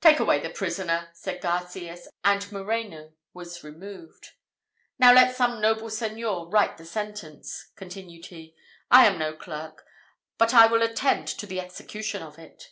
"Take away the prisoner," said Garcias, and Moreno was removed. "Now let some noble Señor write the sentence," continued he: "I am no clerk, but I will attend to the execution of it."